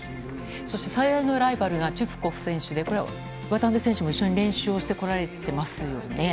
そして最大のライバルがチュプコフ選手で、これは渡辺選手も一緒に練習をしてこられてますよね。